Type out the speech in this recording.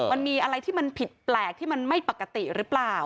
มันมีอะไรที่มันผิดแปลกที่มันไม่ปกติหรือเปล่า